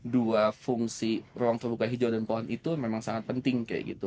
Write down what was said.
dua fungsi ruang terbuka hijau dan pohon itu memang sangat penting kayak gitu